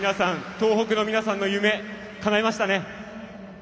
東北の皆さんの夢かないましたね。